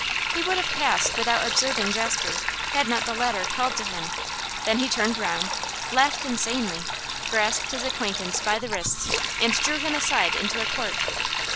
He would have passed without observing Jasper, had not the latter called to him; then he turned round, laughed insanely, grasped his acquaintance by the wrists, and drew him aside into a court.